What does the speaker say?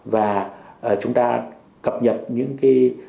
và chúng ta cập nhật những cái